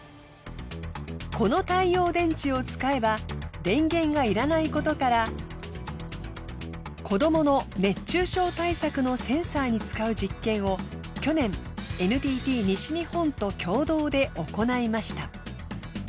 この太陽電池を使えば電源がいらないことから子どもの熱中症対策のセンサーに使う実験を去年ＮＴＴ西日本と共同で行いました。